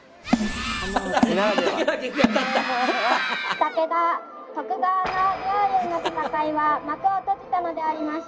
「武田徳川の両雄の戦いは幕を閉じたのでありました」。